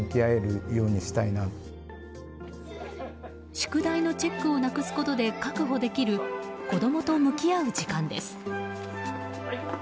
宿題のチェックをなくすことで確保できる子供と向き合う時間です。